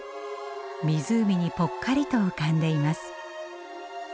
湖にぽっかりと浮かんでいます。